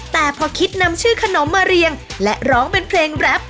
แต่พอคิดนำชื่อขนมมาเรียงและร้องเป็นเพลงแรป